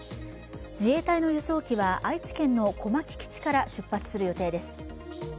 自衛隊の輸送機は愛知県の小牧基地から出発する予定です。